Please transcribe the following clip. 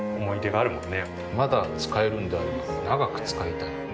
まだ使えるんであれば長く使いたい。